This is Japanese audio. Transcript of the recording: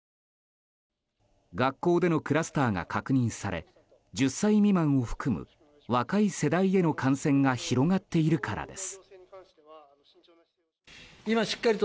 学校でのクラスターが確認され１０歳未満を含む若い世代への感染が広がっているからです。